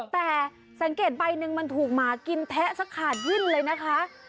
แต่สังเกตใบหนึ่งมันถูกหมากินแทะสักขาดวิ่นเลยนะคะ